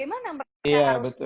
ini bagaimana percaya harus